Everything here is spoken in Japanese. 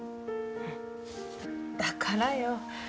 だからよ。